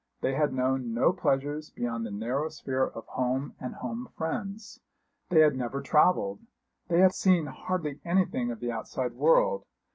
They had known no pleasures beyond the narrow sphere of home and home friends. They had never travelled they had seen hardly anything of the outside world.